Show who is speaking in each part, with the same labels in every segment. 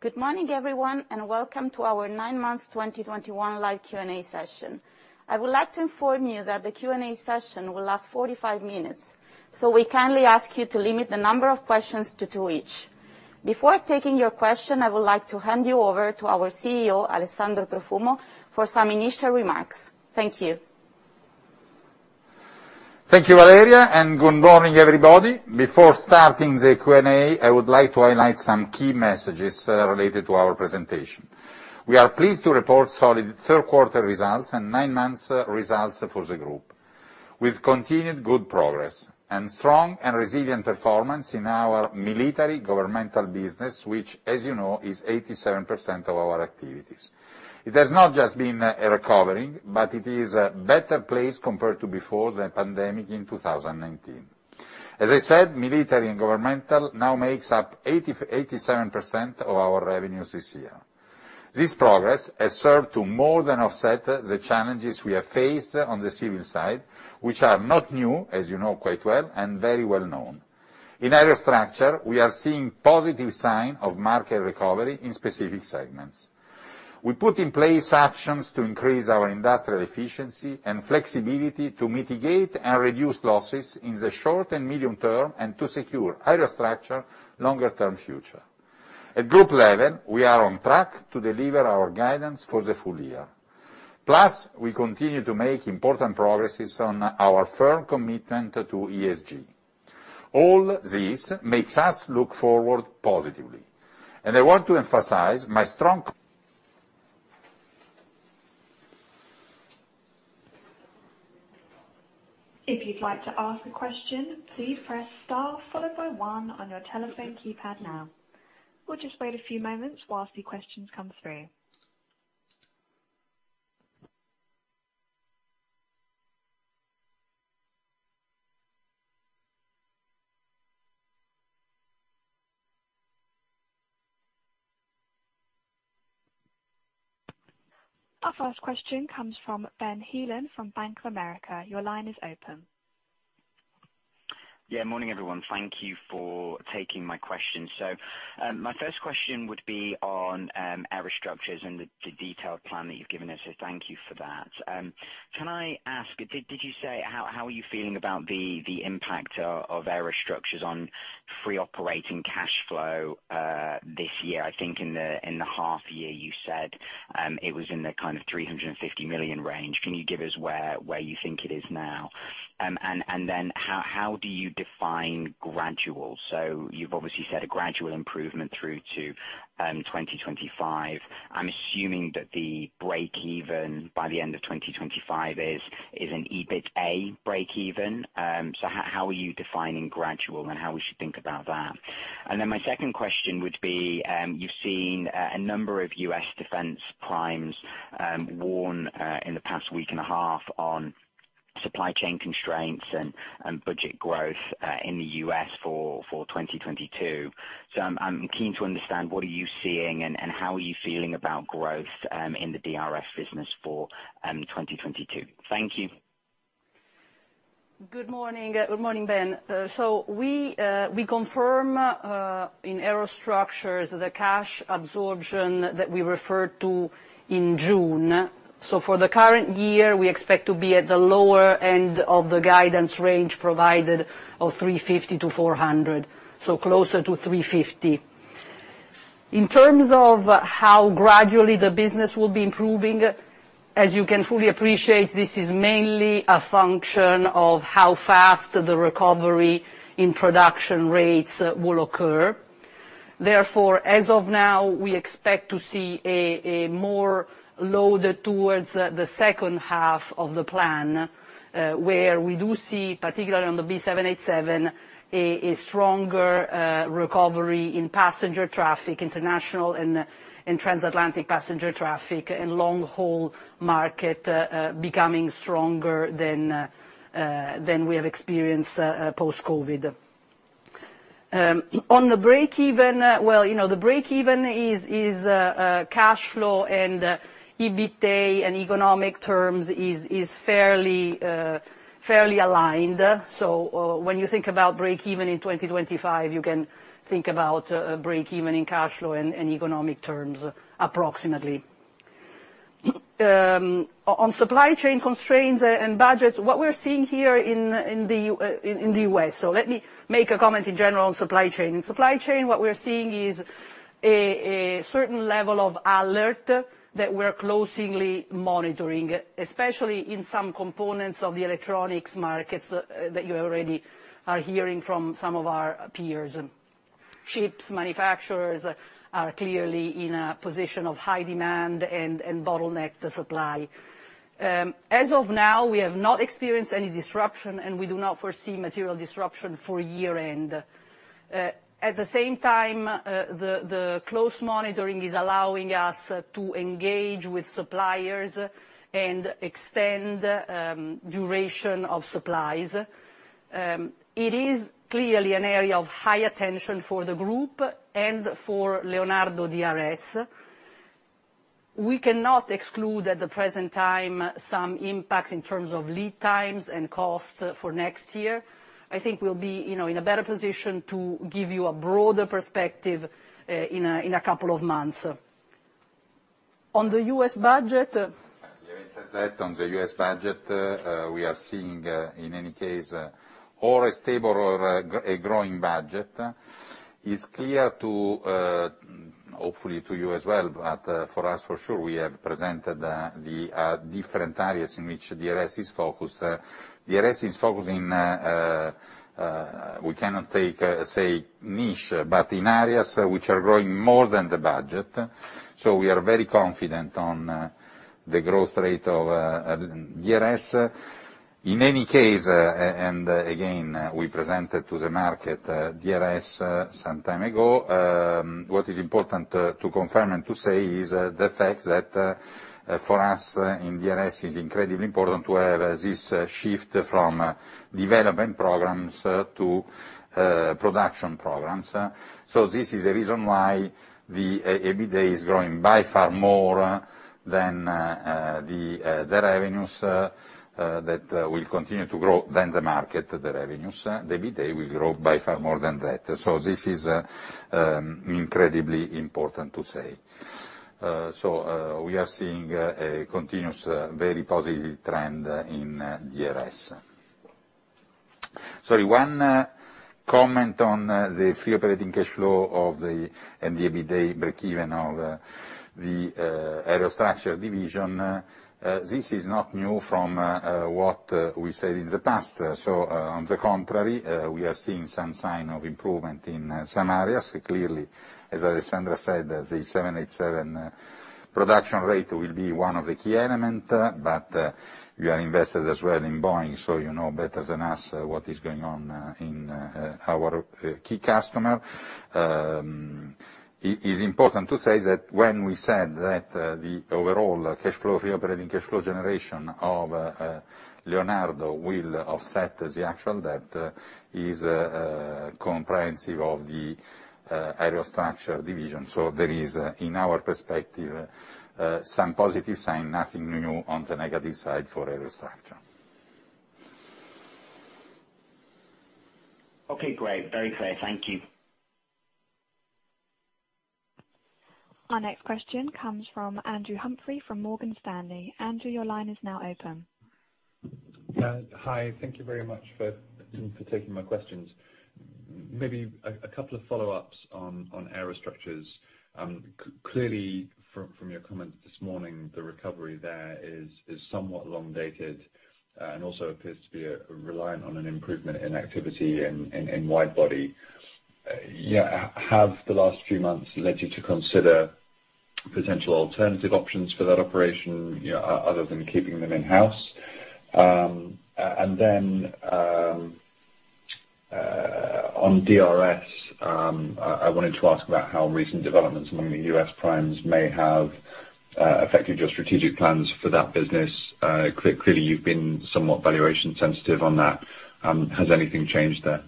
Speaker 1: Good morning, everyone, and welcome to our 9 months 2021 live Q&A session. I would like to inform you that the Q&A session will last 45 minutes, so we kindly ask you to limit the number of questions to two each. Before taking your question, I would like to hand you over to our CEO, Alessandro Profumo, for some initial remarks. Thank you.
Speaker 2: Thank you, Valeria, and good morning, everybody. Before starting the Q&A, I would like to highlight some key messages related to our presentation. We are pleased to report solid third quarter results and nine months results for the group, with continued good progress and strong and resilient performance in our military governmental business which, as you know, is 87% of our activities. It has not just been a recovery, but it is a better place compared to before the pandemic in 2019. As I said, military and governmental now makes up 87% of our revenues this year. This progress has served to more than offset the challenges we have faced on the civil side, which are not new, as you know quite well, and very well known. In Aerostructures, we are seeing positive sign of market recovery in specific segments. We put in place actions to increase our industrial efficiency and flexibility to mitigate and reduce losses in the short and medium term, and to secure Aerostructures longer term future. At group level, we are on track to deliver our guidance for the full year. Plus, we continue to make important progress on our firm commitment to ESG. All this makes us look forward positively, and I want to emphasize my strong
Speaker 1: If you'd like to ask a question, please Press Star followed by one on your telephone keypad now. We'll just wait a few moments while the questions come through. Our first question comes from Ben Heelan from Bank of America. Your line is open.
Speaker 3: Yeah, morning, everyone. Thank you for taking my question. My first question would be on Aerostructures and the detailed plan that you've given us, so thank you for that. Can I ask, did you say how are you feeling about the impact of Aerostructures on free operating cash flow this year? I think in the half year you said it was in the kind of 350 million range. Can you give us where you think it is now? And then how do you define gradual? You've obviously said a gradual improvement through to 2025. I'm assuming that the breakeven by the end of 2025 is an EBITA breakeven. How are you defining gradual and how we should think about that? My second question would be, you've seen a number of U.S. defense primes warn in the past week and a half on supply chain constraints and budget growth in the U.S. for 2022. I'm keen to understand what are you seeing and how are you feeling about growth in the DRS business for 2022. Thank you.
Speaker 4: Good morning. Good morning, Ben. We confirm in Aerostructures the cash absorption that we referred to in June. For the current year, we expect to be at the lower end of the guidance range provided of 350-400, so closer to 350. In terms of how gradually the business will be improving, as you can fully appreciate, this is mainly a function of how fast the recovery in production rates will occur. Therefore, as of now, we expect to see more load towards the second half of the plan, where we do see, particularly on the B787, a stronger recovery in passenger traffic, international and transatlantic passenger traffic and long-haul market, becoming stronger than we have experienced post-COVID. On the breakeven, well, you know, the breakeven is cash flow and EBITDA in economic terms is fairly aligned. When you think about breakeven in 2025, you can think about a breakeven in cash flow in economic terms, approximately. On supply chain constraints and budgets, what we're seeing here in the US. Let me make a comment in general on supply chain. In supply chain, what we're seeing is a certain level of alert that we're closely monitoring, especially in some components of the electronics markets that you already are hearing from some of our peers. Chip manufacturers are clearly in a position of high demand and supply bottleneck. As of now, we have not experienced any disruption, and we do not foresee material disruption for year-end. At the same time, the close monitoring is allowing us to engage with suppliers and extend duration of supplies. It is clearly an area of high attention for the group and for Leonardo DRS. We cannot exclude at the present time some impacts in terms of lead times and cost for next year. I think we'll be, you know, in a better position to give you a broader perspective in a couple of months. On the U.S. budget.
Speaker 2: Yeah, on the U.S. budget, we are seeing, in any case, or a stable or a growing budget. It's clear, hopefully, to you as well, but for us, for sure, we have presented the different areas in which DRS is focused. DRS is focused in, we cannot, say, niche, but in areas which are growing more than the budget. So we are very confident on the growth rate of DRS. In any case, again, we presented to the market DRS some time ago. What is important to confirm and to say is the fact that, for us in DRS, it's incredibly important to have this shift from development programs to production programs. This is the reason why the EBITDA is growing by far more than the revenues that will continue to grow than the market, the revenues. The EBITDA will grow by far more than that. This is incredibly important to say. We are seeing a continuous, very positive trend in DRS. Sorry, one comment on the free operating cash flow and the EBITDA breakeven of the Aerostructures division. This is not new from what we said in the past. On the contrary, we are seeing some sign of improvement in some areas. Clearly, as Alessandra said, the 787 production rate will be one of the key element, but we are invested as well in Boeing, so you know better than us what is going on in our key customer. It's important to say that when we said that the overall cash flow, free operating cash flow generation of Leonardo will offset the actual debt is comprehensive of the Aerostructures division. There is, in our perspective, some positive sign, nothing new on the negative side for Aerostructures.
Speaker 3: Okay, great. Very clear. Thank you.
Speaker 1: Our next question comes from Andrew Humphrey, from Morgan Stanley. Andrew, your line is now open.
Speaker 5: Hi. Thank you very much for taking my questions. Maybe a couple of follow-ups on Aerostructures. Clearly from your comments this morning, the recovery there is somewhat long-dated, and also appears to be reliant on an improvement in activity in wide body. Yeah, have the last few months led you to consider potential alternative options for that operation, you know, other than keeping them in-house? On DRS, I wanted to ask about how recent developments among the U.S. primes may have affected your strategic plans for that business. Clearly, you've been somewhat valuation sensitive on that. Has anything changed there?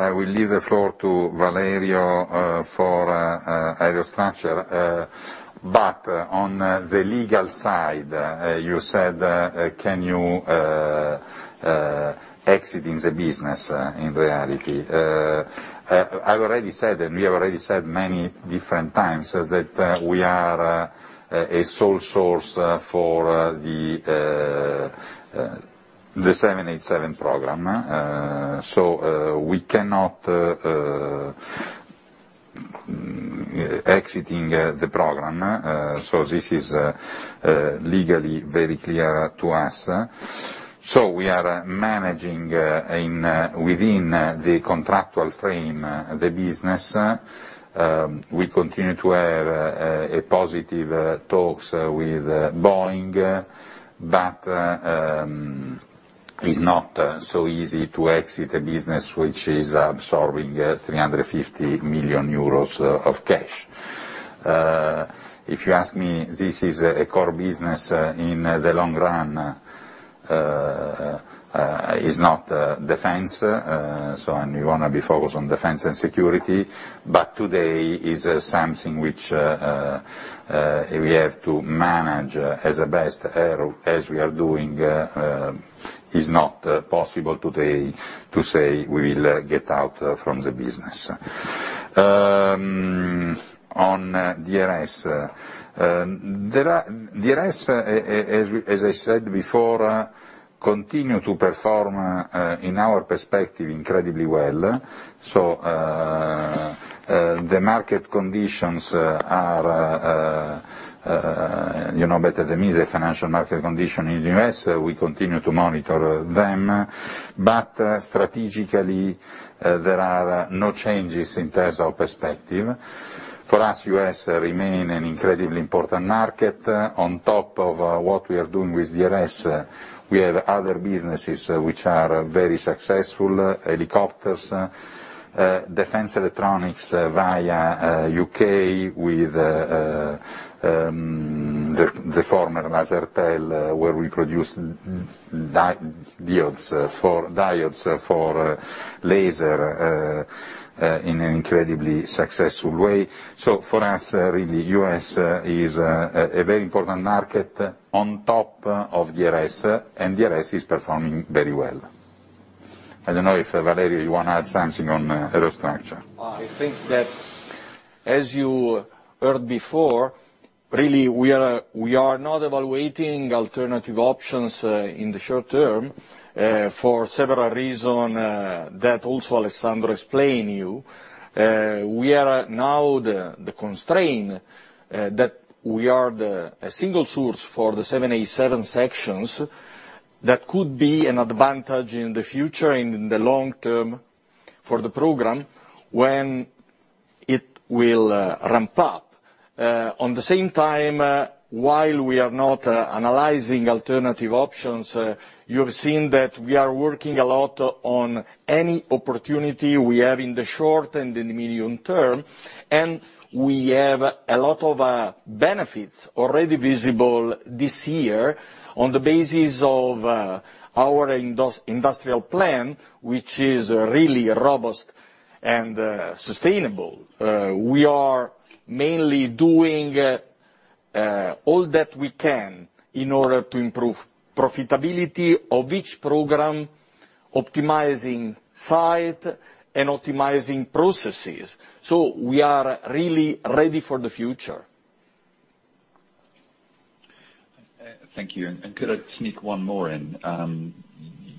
Speaker 2: I will leave the floor to Valerio for Aerostructures. But on the legal side, you said, can you exit the business in reality. I've already said, and we have already said many different times, that we are a sole source for the 787 program. We cannot exit the program. This is legally very clear to us. We are managing within the contractual frame the business. We continue to have positive talks with Boeing, but it is not so easy to exit a business which is absorbing 350 million euros of cash. If you ask me, this is a core business in the long run. It is not defense, and we wanna be focused on defense and security. Today is something which we have to manage as best as we are doing. It is not possible today to say we will get out from the business. On DRS. DRS, as I said before, continue to perform from our perspective incredibly well. The market conditions are, you know, better than me, the financial market condition in the U.S. We continue to monitor them, but strategically, there are no changes in terms of perspective. For us, U.S. remain an incredibly important market. On top of what we are doing with DRS, we have other businesses which are very successful. Helicopters, defense electronics via the U.K. with the former Marconi, where we produce diodes for lasers in an incredibly successful way. For us, really, the U.S. is a very important market on top of DRS, and DRS is performing very well. I don't know if, Valerio, you wanna add something on Aerostructures?
Speaker 6: I think that, as you heard before, really, we are not evaluating alternative options in the short term for several reasons that also Alessandra explained to you. We are now the constraint that we are a single source for the 787 sections that could be an advantage in the future in the long term for the program when it will ramp up. At the same time, while we are not analyzing alternative options, you've seen that we are working a lot on any opportunity we have in the short and in the medium term. We have a lot of benefits already visible this year on the basis of our industrial plan, which is really robust and sustainable.
Speaker 2: We are mainly doing all that we can in order to improve profitability of each program, optimizing site and optimizing processes. We are really ready for the future.
Speaker 5: Thank you. Could I sneak one more in?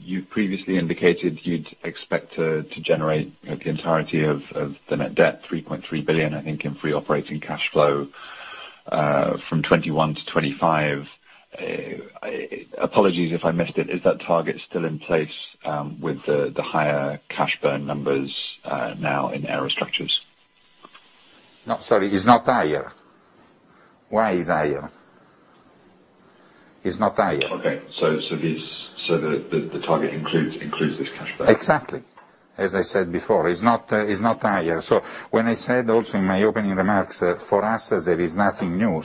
Speaker 5: You previously indicated you'd expect to generate, you know, the entirety of the net debt, 3.3 billion, I think, in free operating cash flow from 2021 to 2025. Apologies if I missed it. Is that target still in place with the higher cash burn numbers now in Aerostructures?
Speaker 4: No, sorry, it's not higher. Why is higher? It's not higher.
Speaker 5: Okay, the target includes this cash burn.
Speaker 4: Exactly. As I said before, it's not higher. When I said also in my opening remarks, for us, there is nothing new.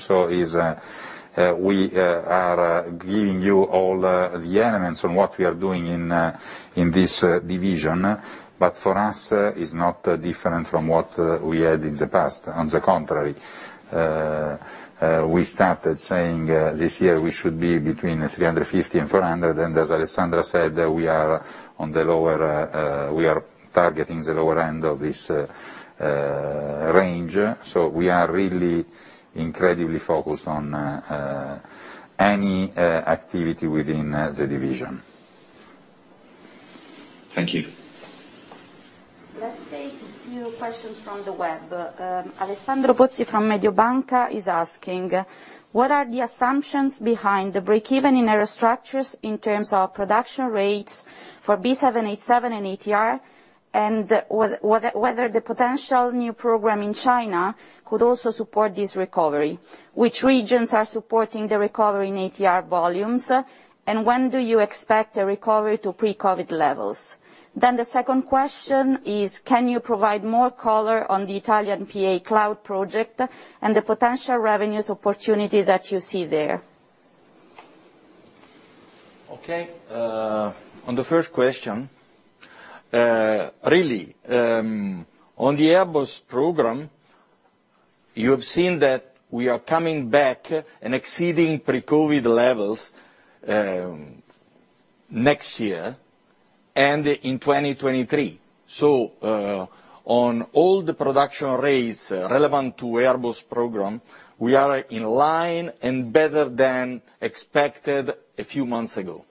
Speaker 4: We are giving you all the elements on what we are doing in this division. For us, it's not different from what we had in the past. On the contrary, we started saying this year, we should be between 350 and 400. As Alessandro said, we are targeting the lower end of this range. We are really incredibly focused on any activity within the division.
Speaker 5: Thank you.
Speaker 7: Let's take a few questions from the web. Alessandro Pozzi from Mediobanca is asking, what are the assumptions behind the break-even in Aerostructures in terms of production rates for 787 and ATR, and whether the potential new program in China could also support this recovery? Which regions are supporting the recovery in ATR volumes, and when do you expect a recovery to pre-COVID levels? The second question is, can you provide more color on the Italian PA Cloud project and the potential revenues opportunity that you see there?
Speaker 4: Okay. On the first question, really, on the Airbus program, you have seen that we are coming back and exceeding pre-COVID levels, next year and in 2023. On all the production rates relevant to Airbus program, we are in line and better than expected a few months ago.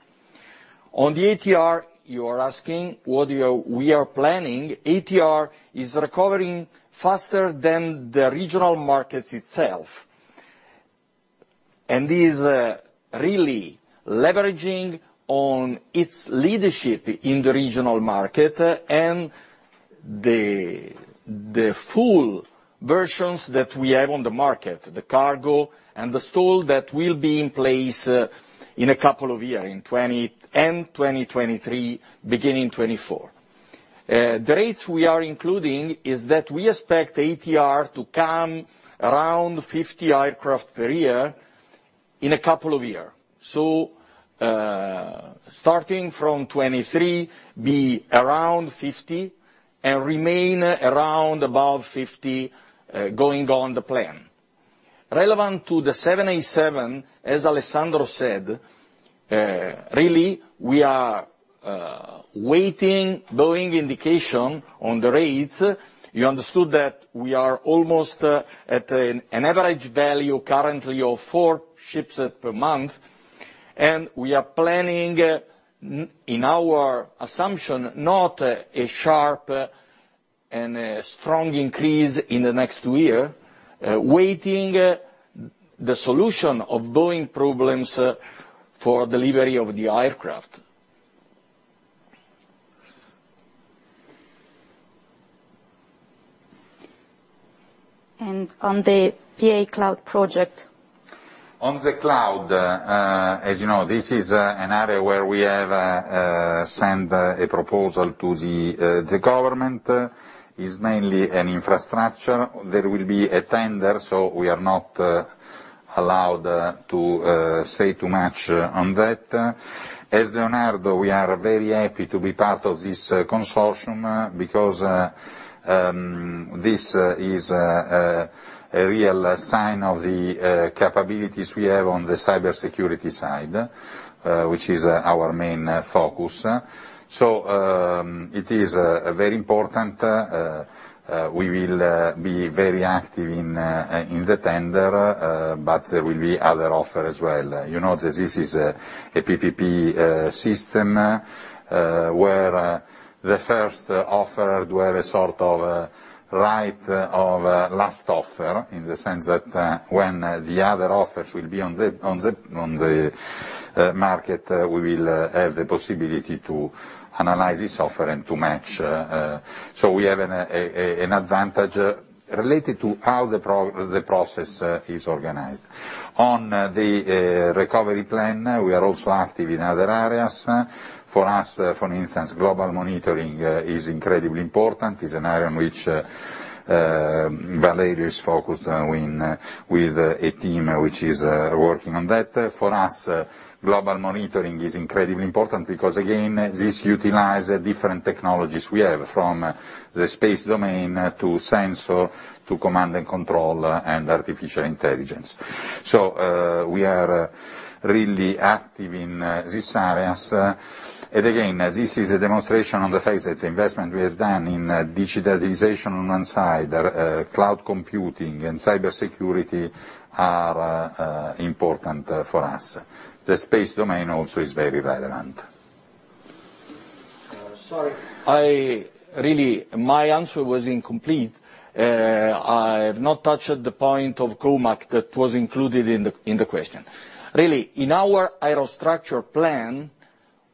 Speaker 4: On the ATR, you are asking what we are planning. ATR is recovering faster than the regional markets itself. This really leveraging on its leadership in the regional market and the full versions that we have on the market, the cargo and the STOL that will be in place, in a couple of year, end 2023, beginning 2024. The rates we are including is that we expect ATR to come around 50 aircraft per year in a couple of year. Starting from 2023, be around 50 and remain around above 50, going on the plan. Relevant to the 787, as Alessandro said, really, we are waiting Boeing indication on the rates. You understood that we are almost at an average value currently of four shipsets per month, and we are planning in our assumption, not a sharp and a strong increase in the next year, waiting the solution of Boeing problems for delivery of the aircraft.
Speaker 1: On the PA Cloud project?
Speaker 4: On the cloud, as you know, this is an area where we have sent a proposal to the government. It's mainly an infrastructure. There will be a tender, so we are not,
Speaker 2: allowed to say too much on that. As Leonardo, we are very happy to be part of this consortium because this is a real sign of the capabilities we have on the cybersecurity side, which is our main focus. It is very important. We will be very active in the tender, but there will be other offer as well. You know that this is a PPP system, where the first offer do have a sort of right of last offer, in the sense that when the other offers will be on the market, we will have the possibility to analyze this offer and to match. We have an advantage related to how the process is organized. On the recovery plan, we are also active in other areas. For us, for instance, global monitoring is incredibly important, is an area in which Valeria is focused on with a team which is working on that. For us, global monitoring is incredibly important because, again, it utilizes different technologies we have, from the space domain to sensors, to command and control and artificial intelligence. We are really active in these areas. Again, this is a demonstration of the fact that investment we have done in digitalization on one side, cloud computing and cybersecurity are important for us. The space domain also is very relevant.
Speaker 4: Sorry, my answer was incomplete. I have not touched the point of Comac that was included in the question. Really, in our Aerostructures plan,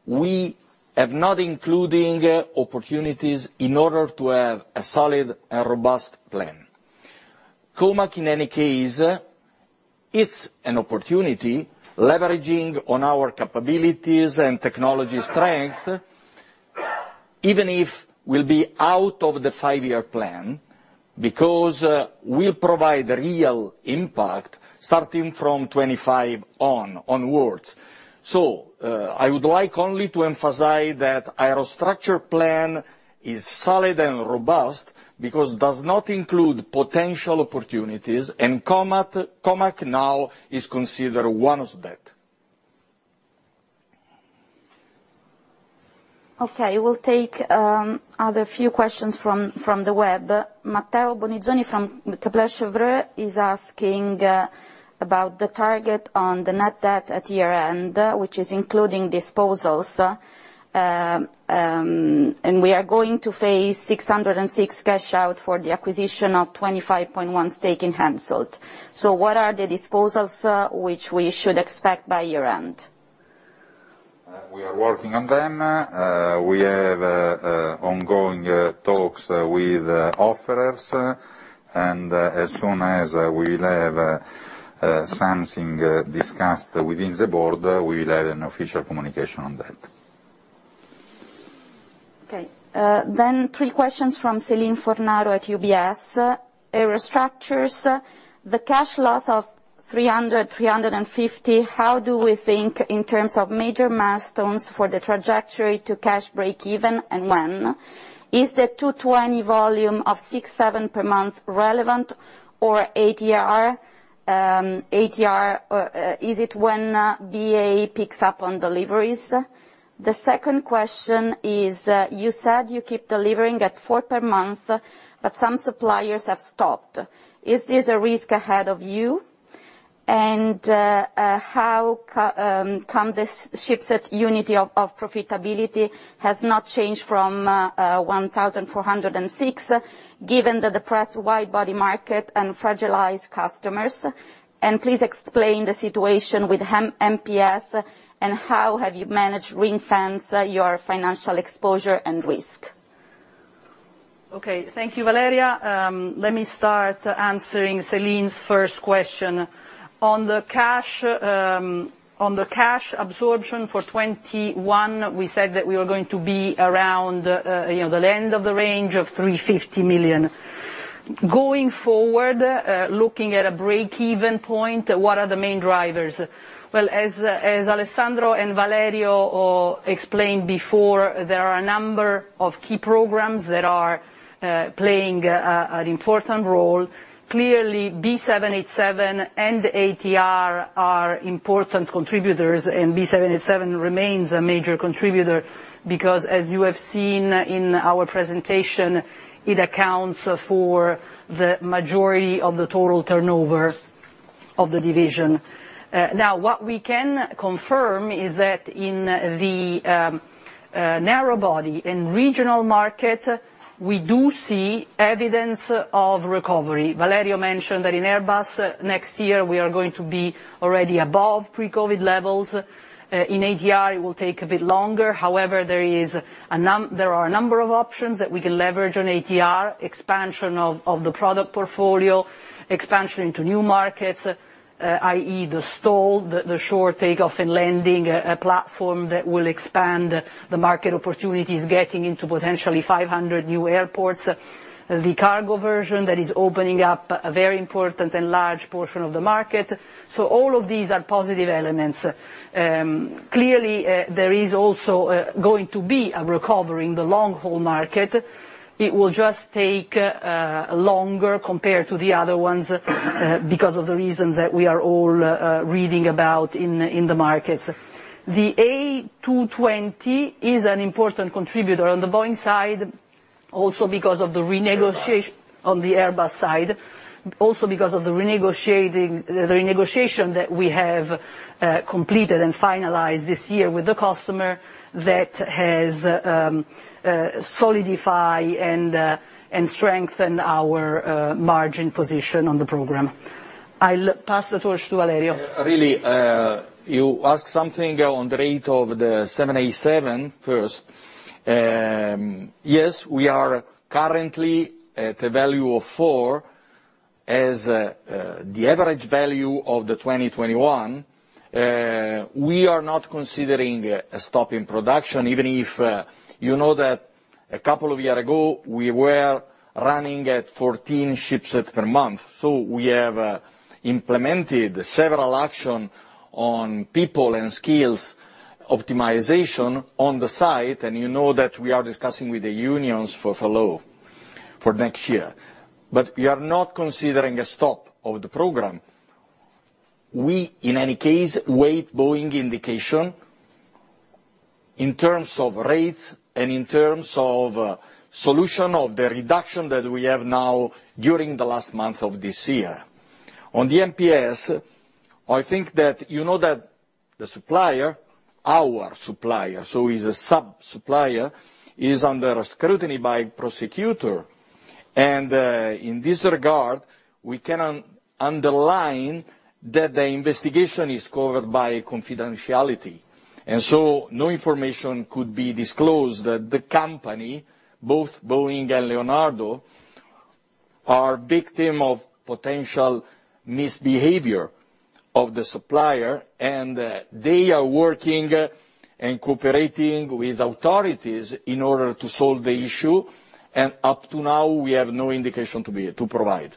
Speaker 4: we have not including opportunities in order to have a solid and robust plan. Comac, in any case, it's an opportunity leveraging on our capabilities and technology strength, even if we'll be out of the five-year plan, because we'll provide real impact starting from 25 onwards. I would like only to emphasize that Aerostructures plan is solid and robust because does not include potential opportunities, and Comac now is considered one of that.
Speaker 7: Okay, we'll take other few questions from the web. Matteo Bonizzoni from Kepler Cheuvreux is asking about the target on the net debt at year-end, which is including disposals. We are going to face 606 cash out for the acquisition of 25.1% stake in HENSOLDT. What are the disposals which we should expect by year-end?
Speaker 2: We are working on them. We have ongoing talks with offerors. As soon as we'll have something discussed with the board, we will have an official communication on that.
Speaker 7: Three questions from Celine Fornaro at UBS. Aerostructures, the cash loss of 300-350, how do we think in terms of major milestones for the trajectory to cash breakeven and when? Is the A220 volume of 6-7 per month relevant or ATR or is it when BAE picks up on deliveries? The second question is, you said you keep delivering at 4 per month, but some suppliers have stopped. Is this a risk ahead of you? And how come this shipset unit of profitability has not changed from 1,406, given that the stressed widebody market and fragile customers? And please explain the situation with MPS and how have you managed ring-fence your financial exposure and risk.
Speaker 4: Okay. Thank you, Valeria. Let me start answering Celine's first question. On the cash absorption for 2021, we said that we are going to be around, you know, the end of the range of 350 million. Going forward, looking at a break-even point, what are the main drivers? Well, as Alessandro and Valerio explained before, there are a number of key programs that are playing an important role. Clearly, B787 and ATR are important contributors, and B787 remains a major contributor, because as you have seen in our presentation, it accounts for the majority of the total turnover of the division. Now, what we can confirm is that in the narrow body and regional market, we do see evidence of recovery. Valerio mentioned that in Airbus next year, we are going to be already above pre-COVID levels. In ATR, it will take a bit longer. However, there are a number of options that we can leverage on ATR, expansion of the product portfolio, expansion into new markets, i.e., the STOL, the Short Take-Off and Landing, a platform that will expand the market opportunities, getting into potentially 500 new airports, the cargo version that is opening up a very important and large portion of the market. So all of these are positive elements. Clearly, there is also going to be a recovery in the long-haul market. It will just take longer compared to the other ones, because of the reasons that we are all reading about in the markets. The A220 is an important contributor. On the Airbus side, also because of the renegotiating, the negotiation that we have completed and finalized this year with the customer that has solidify and strengthen our margin position on the program. I'll pass the torch to Valerio.
Speaker 6: Really, you asked something on the rate of the 787 first. Yes, we are currently at a value of four as the average value of 2021. We are not considering a stop in production, even if you know that a couple of years ago, we were running at 14 shipsets per month. We have implemented several actions on people and skills optimization on the site, and you know that we are discussing with the unions for layoffs for next year. We are not considering a stop of the program. We, in any case, wait Boeing indication in terms of rates and in terms of solution of the reduction that we have now during the last month of this year. On the MPS, I think that you know that the supplier, our supplier, so is a sub-supplier, is under scrutiny by prosecutor. In this regard, we cannot underline that the investigation is covered by confidentiality. No information could be disclosed. The company, both Boeing and Leonardo, are victim of potential misbehavior of the supplier, and they are working and cooperating with authorities in order to solve the issue. Up to now, we have no indication to provide.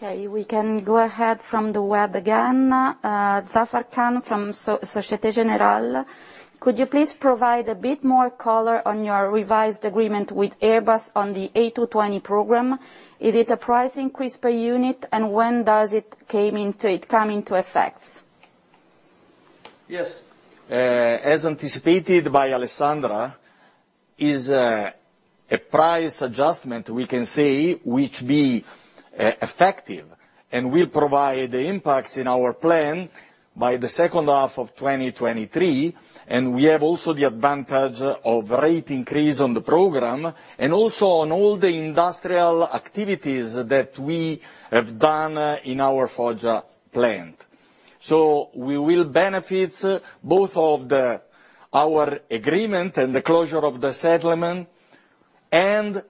Speaker 4: Okay, we can go ahead from the web again. Zafar Khan from Société Générale. Could you please provide a bit more color on your revised agreement with Airbus on the A220 program? Is it a price increase per unit, and when does it come into effect?
Speaker 6: Yes. As anticipated by Alessandra, it is a price adjustment, we can say, which will be effective. We provide the impacts in our plan by the second half of 2023, and we have also the advantage of rate increase on the program and also on all the industrial activities that we have done in our Foggia plant. We will benefit from both our agreement and the closure of the settlement and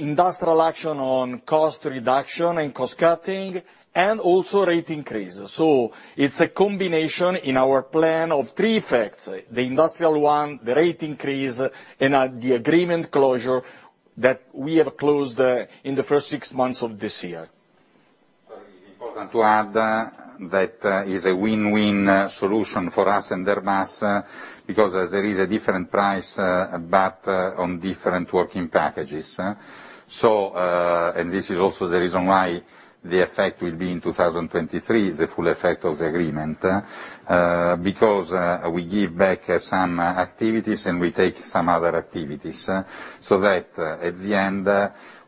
Speaker 6: industrial action on cost reduction and cost-cutting, and also rate increases. It's a combination in our plan of three effects, the industrial one, the rate increase, and the agreement closure that we have closed in the first six months of this year.
Speaker 2: It is important to add that it is a win-win solution for us and Airbus, because as there is a different price, but on different working packages. This is also the reason why the effect will be in 2023, the full effect of the agreement. Because we give back some activities, and we take some other activities. That at the end,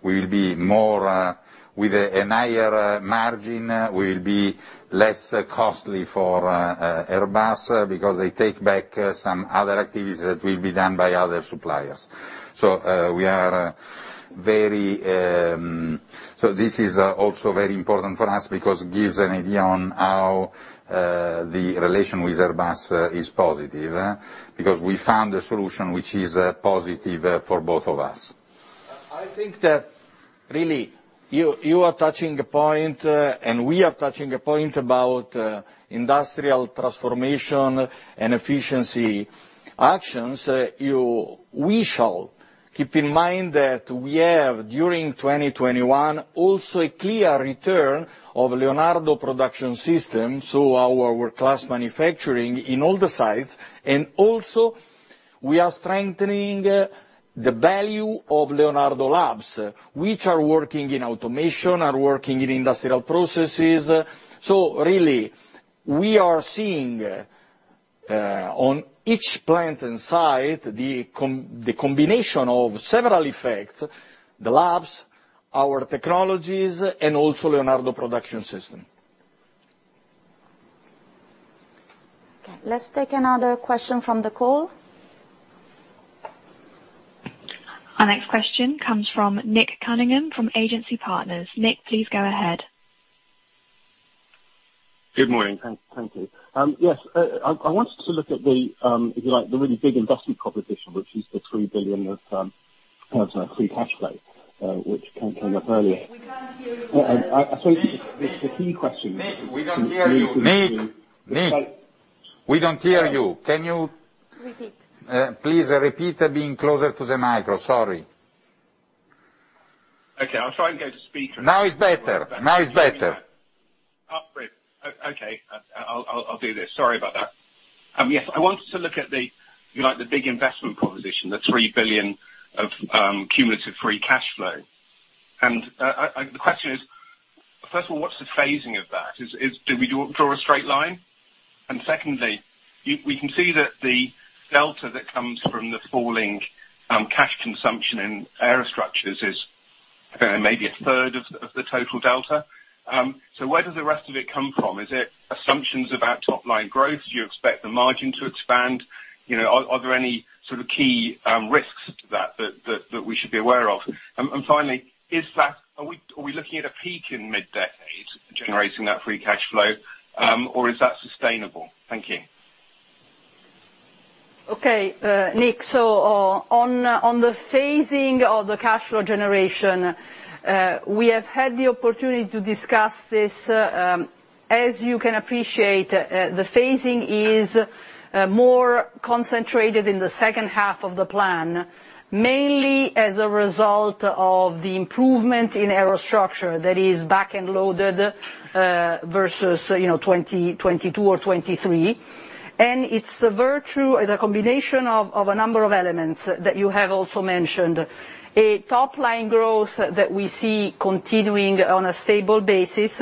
Speaker 2: we'll be more with a higher margin, we'll be less costly for Airbus, because they take back some other activities that will be done by other suppliers. This is also very important for us because it gives an idea on how the relation with Airbus is positive, because we found a solution which is positive for both of us.
Speaker 6: I think that really, you are touching a point, and we are touching a point about industrial transformation and efficiency actions. We shall keep in mind that we have, during 2021, also a clear return of Leonardo Production System, so our World Class Manufacturing in all the sites. We are strengthening the value of Leonardo labs, which are working in automation, are working in industrial processes. Really, we are seeing on each plant and site, the combination of several effects, the labs, our technologies, and also Leonardo Production System.
Speaker 4: Okay, let's take another question from the call.
Speaker 1: Our next question comes from Nick Cunningham from Agency Partners. Nick, please go ahead.
Speaker 8: Good morning. Thank you. Yes, I wanted to look at the, if you like, the really big investment proposition, which is the 3 billion of free cash flow, which came up earlier.
Speaker 4: We can't hear you well.
Speaker 8: I think the key question is.
Speaker 6: Nick, we don't hear you. Nick. We don't hear you. Can you-
Speaker 4: Repeat.
Speaker 6: Please repeat being closer to the micro. Sorry.
Speaker 8: Okay. I'll try and go to speakerphone.
Speaker 6: Now it's better.
Speaker 8: Oh, great. Okay. I'll do this. Sorry about that. Yes, I wanted to look at the, like, the big investment proposition, the 3 billion of cumulative free cash flow. The question is. First of all, what's the phasing of that? Do we draw a straight line? Secondly, we can see that the delta that comes from the falling cash consumption in Aerostructures is maybe a third of the total delta. So where does the rest of it come from? Is it assumptions about top-line growth? Do you expect the margin to expand? You know, are there any sort of key risks to that we should be aware of? Finally, is that... Are we looking at a peak in mid-decade generating that free cash flow, or is that sustainable? Thank you.
Speaker 4: Okay, Nick. On the phasing of the cash flow generation, we have had the opportunity to discuss this. As you can appreciate, the phasing is more concentrated in the second half of the plan, mainly as a result of the improvement in Aerostructures that is back-end loaded versus, you know, 2022 or 2023. It's the combination of a number of elements that you have also mentioned. A top-line growth that we see continuing on a stable basis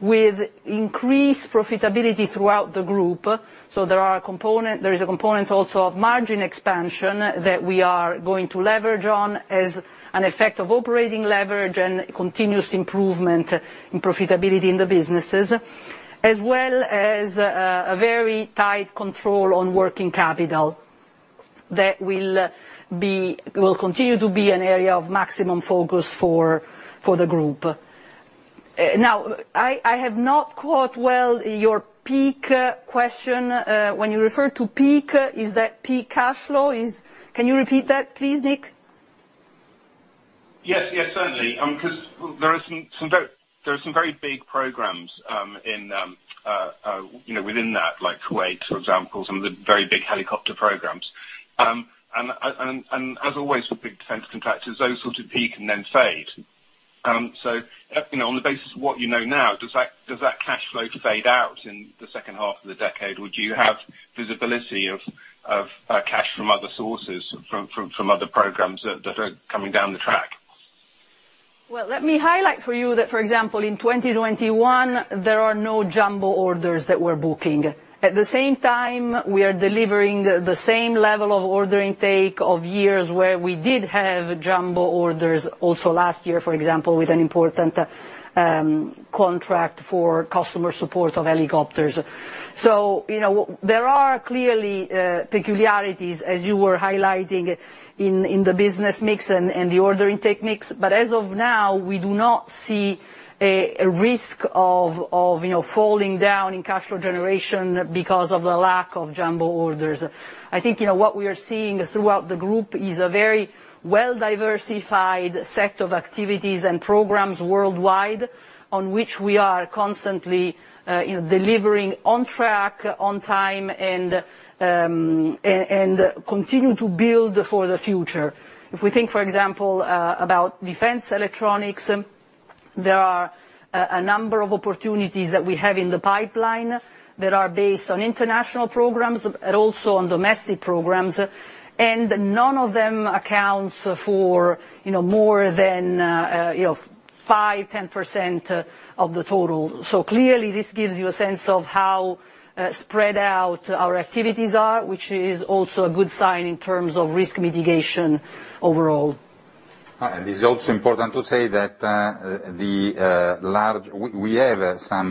Speaker 4: with increased profitability throughout the group. There is a component also of margin expansion that we are going to leverage on as an effect of operating leverage and continuous improvement in profitability in the businesses, as well as a very tight control on working capital that will continue to be an area of maximum focus for the group. Now, I have not caught well your peak question. When you refer to peak, is that peak cash flow? Can you repeat that please, Nick?
Speaker 8: Yes. Yes, certainly. 'Cause there are some very big programs, you know, within that, like Kuwait, for example, some of the very big helicopter programs. And as always with big defense contractors, those sort of peak and then fade. So, you know, on the basis of what you know now, does that cash flow fade out in the second half of the decade, or do you have visibility of cash from other sources, from other programs that are coming down the track?
Speaker 4: Well, let me highlight for you that, for example, in 2021, there are no jumbo orders that we're booking. At the same time, we are delivering the same level of ordering intake of years where we did have jumbo orders also last year, for example, with an important contract for customer support of helicopters. You know, there are clearly peculiarities as you were highlighting in the business mix and the ordering techniques, but as of now, we do not see a risk of, you know, falling down in cash flow generation because of the lack of jumbo orders. I think, you know, what we are seeing throughout the group is a very well-diversified set of activities and programs worldwide on which we are constantly delivering on track, on time, and continue to build for the future. If we think, for example, about defense electronics, there are a number of opportunities that we have in the pipeline that are based on international programs, and also on domestic programs, and none of them accounts for, you know, more than 5%-10% of the total. Clearly, this gives you a sense of how spread out our activities are, which is also a good sign in terms of risk mitigation overall.
Speaker 2: It is also important to say that we have some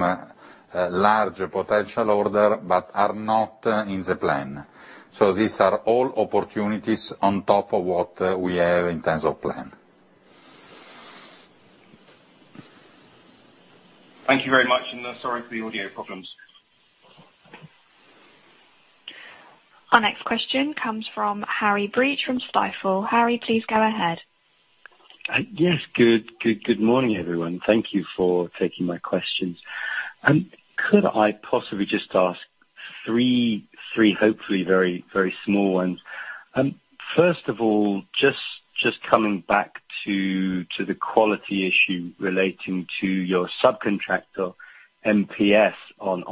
Speaker 2: large potential order, but are not in the plan. These are all opportunities on top of what we have in terms of plan.
Speaker 8: Thank you very much, and sorry for the audio problems.
Speaker 1: Our next question comes from Harry Breach from Stifel. Harry, please go ahead.
Speaker 9: Yes. Good morning, everyone. Thank you for taking my questions. Could I possibly just ask three hopefully very small ones? First of all, just coming back to the quality issue relating to your subcontractor, MPS, on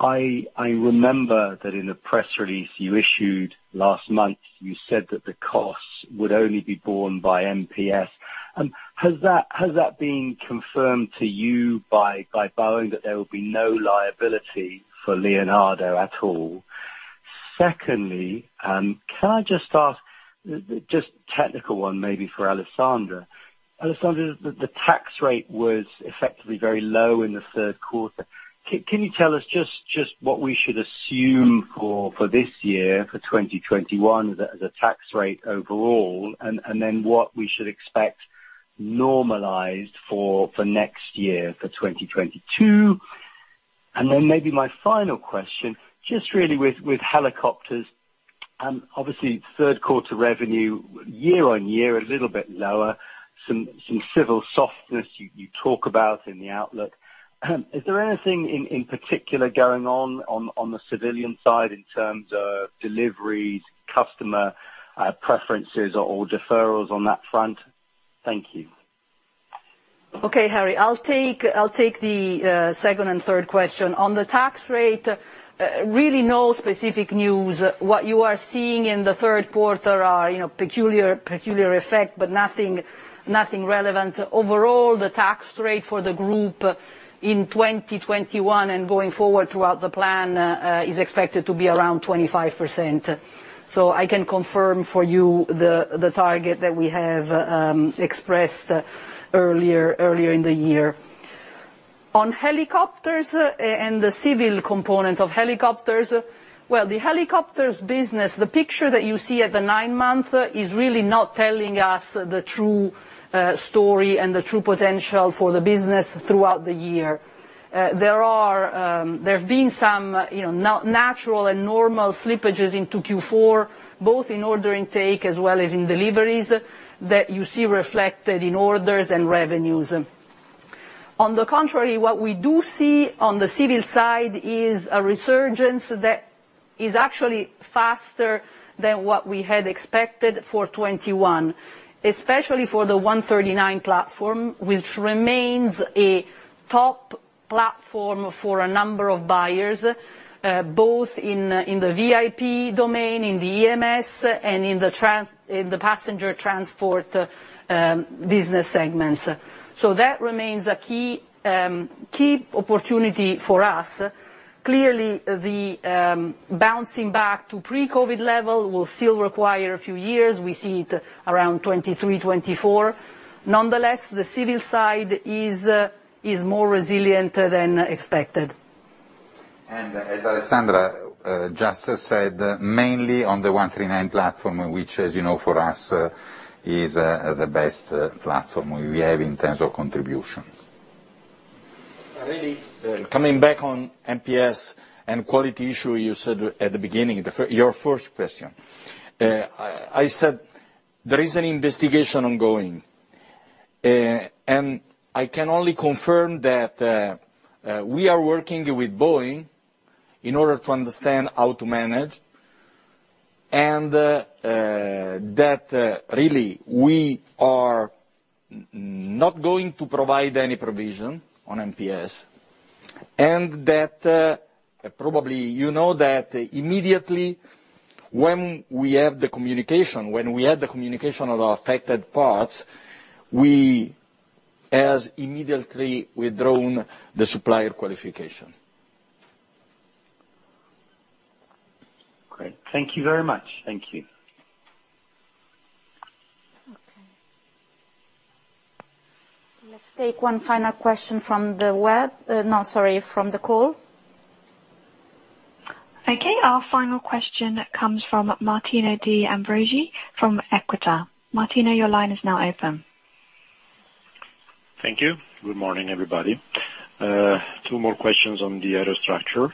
Speaker 9: 787, I remember that in a press release you issued last month, you said that the costs would only be borne by MPS. Has that been confirmed to you by Boeing that there will be no liability for Leonardo at all? Secondly, can I just ask a technical one maybe for Alessandra. Alessandra, the tax rate was effectively very low in the third quarter. Can you tell us just what we should assume for this year, for 2021, the tax rate overall, and then what we should expect normalized for next year, for 2022? Maybe my final question, just really with helicopters, obviously third quarter revenue year-on-year a little bit lower, some civil softness you talk about in the outlook. Is there anything in particular going on the civilian side in terms of deliveries, customer preferences or deferrals on that front? Thank you.
Speaker 4: Okay, Harry, I'll take the second and third question. On the tax rate, really no specific news. What you are seeing in the third quarter are peculiar effect, but nothing relevant. Overall, the tax rate for the group in 2021 and going forward throughout the plan is expected to be around 25%. I can confirm for you the target that we have expressed earlier in the year. On helicopters and the civil component of helicopters, the helicopters business, the picture that you see at the nine-month is really not telling us the true story and the true potential for the business throughout the year. There are, there's been some, you know, natural and normal slippages into Q4, both in order intake as well as in deliveries that you see reflected in orders and revenues. On the contrary, what we do see on the civil side is a resurgence that is actually faster than what we had expected for 2021, especially for the AW139 platform, which remains a top platform for a number of buyers, both in the VIP domain, in the EMS, and in the passenger transport business segments. That remains a key opportunity for us. Clearly, the bouncing back to pre-COVID level will still require a few years. We see it around 2023, 2024. Nonetheless, the civil side is more resilient than expected.
Speaker 2: As Alessandra just said, mainly on the AW139 platform, which, as you know, for us, is the best platform we have in terms of contribution.
Speaker 6: Really, coming back on MPS and quality issue you said at the beginning, your first question. I said there is an investigation ongoing. I can only confirm that we are working with Boeing in order to understand how to manage and really we are not going to provide any provision on MPS. That probably you know that immediately when we have the communication, when we had the communication of our affected parts, we have immediately withdrawn the supplier qualification. Great. Thank you very much.
Speaker 2: Thank you.
Speaker 4: Okay. Let's take one final question from the web. No, sorry, from the call.
Speaker 1: Okay, our final question comes from Martino De Ambroggi from Equita. Martino, your line is now open.
Speaker 10: Thank you. Good morning, everybody. Two more questions on the Aerostructures.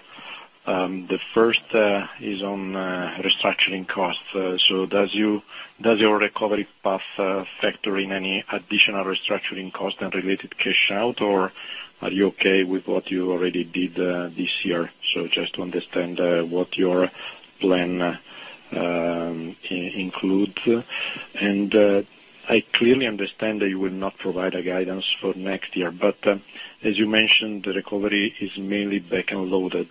Speaker 10: The first is on restructuring costs. So does your recovery path factor in any additional restructuring cost and related cash out, or are you okay with what you already did this year? So just to understand what your plan includes. I clearly understand that you will not provide a guidance for next year, but as you mentioned, the recovery is mainly back-loaded.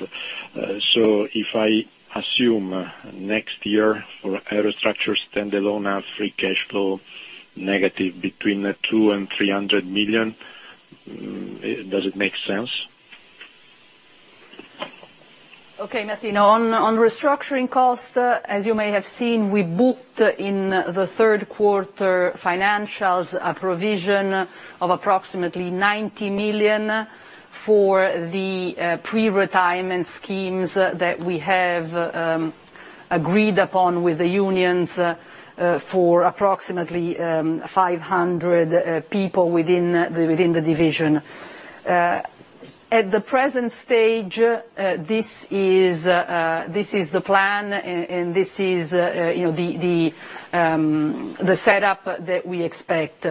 Speaker 10: So if I assume next year for Aerostructures standalone as free cash flow, negative between 200 million and 300 million, does it make sense?
Speaker 4: Okay, Martino. On restructuring costs, as you may have seen, we booked in the third quarter financials a provision of approximately 90 million for the pre-retirement schemes that we have agreed upon with the unions for approximately 500 people within the division. At the present stage, this is the plan and this is you know the setup that we expect.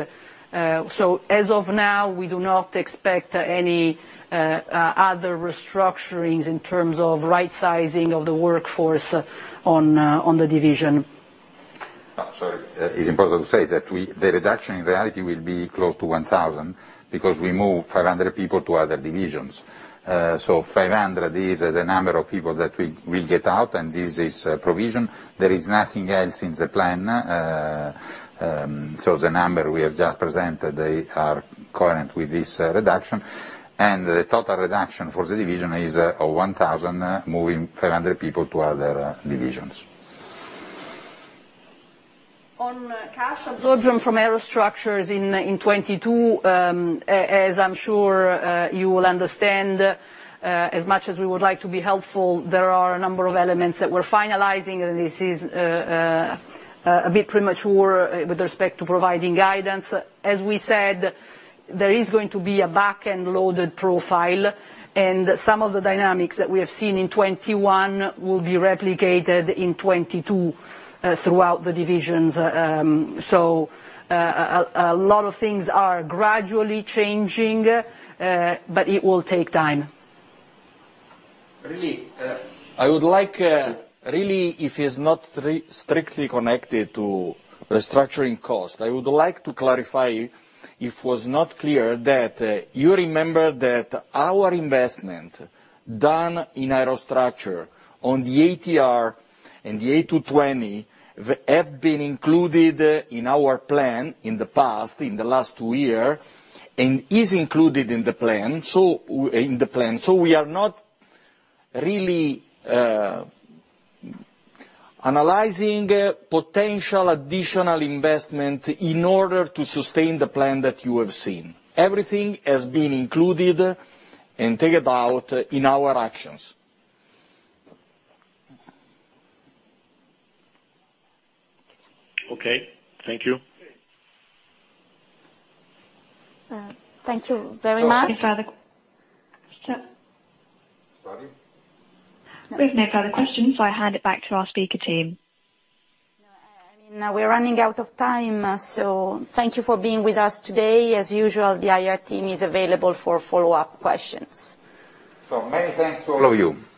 Speaker 4: As of now, we do not expect any other restructurings in terms of rightsizing of the workforce on the division.
Speaker 2: Sorry. It's important to say that the reduction in reality will be close to 1,000 because we move 500 people to other divisions. So 500 is the number of people that we get out, and this is provision. There is nothing else in the plan. So the number we have just presented, they are current with this reduction. The total reduction for the division is 1,000 moving 500 people to other divisions.
Speaker 4: On cash absorption from Aerostructures in 2022, as I'm sure you will understand, as much as we would like to be helpful, there are a number of elements that we're finalizing, and this is a bit premature with respect to providing guidance. As we said, there is going to be a back-end loaded profile, and some of the dynamics that we have seen in 2021 will be replicated in 2022 throughout the divisions. A lot of things are gradually changing, but it will take time.
Speaker 6: Really, I would like, if it's not strictly connected to restructuring cost, I would like to clarify, if it was not clear, that you remember that our investment done in Aerostructures on the ATR and the A220 have been included in our plan in the past, in the last two years, and is included in the plan, so in the plan. We are not really analyzing potential additional investment in order to sustain the plan that you have seen. Everything has been included and thought about in our actions.
Speaker 10: Okay. Thank you.
Speaker 4: Thank you very much.
Speaker 1: Any further questions?
Speaker 2: Sorry.
Speaker 1: We've no further questions, so I hand it back to our speaker team.
Speaker 4: No, I mean, we're running out of time, so thank you for being with us today. As usual, the IR team is available for follow-up questions.
Speaker 2: Many thanks to all of you.